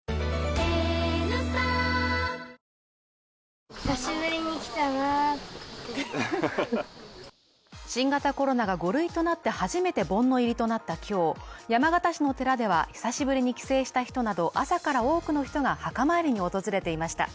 ニトリ新型コロナが５類となって初めて盆の入りとなった今日、山形市の寺では久しぶりに帰省した人など朝から多くの人が墓参りに訪れていました。